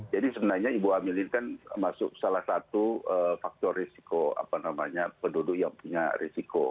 jadi sebenarnya ibu hamil ini kan masuk salah satu faktor risiko penduduk yang punya risiko